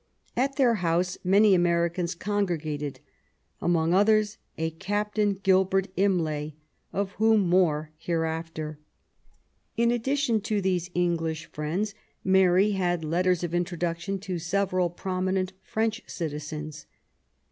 At their house many Americans congre gated, among others a Captain Gilbert Imlay, of whom more hereafter. In addition to these English friends^ Mary had letters of introduction to several prominent French citizens.